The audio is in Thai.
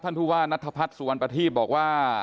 ผู้ว่านัทพัฒน์สุวรรณประทีพบอกว่า